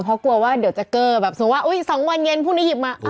เพราะกลัวว่าเดี๋ยวจะเกอแบบสมมุติว่าอุ๊ย๒วันเย็นพรุ่งนี้หยิบมาอ้าวร้อน